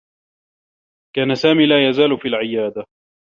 كان سامي لا يزال في العيادة.